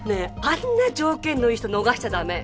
あんな条件のいい人逃しちゃ駄目。